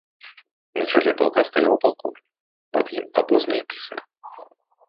На чале палка стаяў палкоўнік, пад ім абозны і пісар.